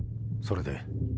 それで？